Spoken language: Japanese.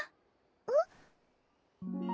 えっ？